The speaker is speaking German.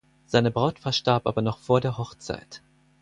Seine Braut verstarb aber noch vor der Hochzeit.